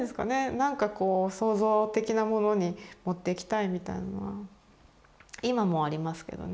なんかこう創造的なものに持っていきたいみたいなのは今もありますけどね。